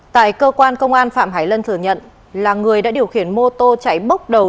tại cơ quan công an phạm hải lân thừa nhận là người đã điều khiển mô tô chạy bốc đầu